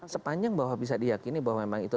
sepanjang bahwa bisa diyakini bahwa memang itu